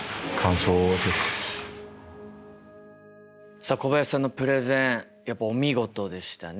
さあ小林さんのプレゼンやっぱお見事でしたね。